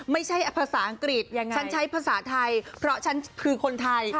ไม่ใช่ภาษาอังกฤษฉันใช้ภาษาไทยเพราะฉันคือคนไทย